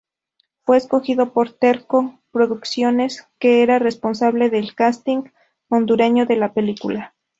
Fue escogido por Terco Producciones, que era responsable del casting hondureño de la película.